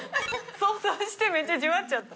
想像してめちゃじわっちゃった。